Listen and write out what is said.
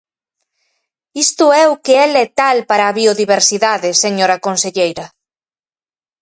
Isto é o que é letal para a biodiversidade, señora conselleira.